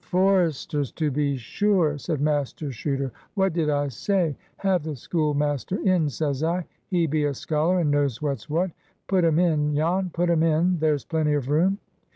"Foresters! To be sure!" said Master Chuter. "What did I say? Have the schoolmaster in, says I. He be a scholar, and knows what's what. Put 'em in, Jan, put 'em in! there's plenty of room."